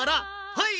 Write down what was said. はい！